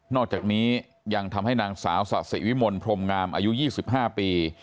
อกจากนี้ยังทำให้นางสาวสะสิวิมลพรมงามอายุ๒๕ปี